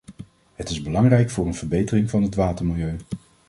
Het is belangrijk voor een verbetering van het watermilieu.